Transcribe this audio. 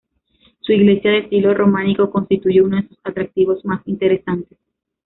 Su iglesia de estilo románico constituye uno de sus atractivos más interesantes.